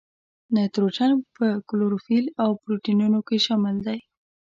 نایتروجن په کلوروفیل او پروټینونو کې شامل دی.